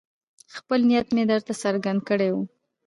خپل نیت مې درته څرګند کړی وو.